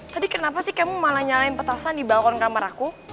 tadi kenapa sih kamu malah nyalain petasan di balkon kamar aku